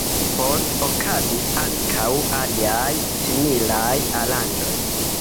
Poste okazis ankaŭ aliaj similaj aranĝoj.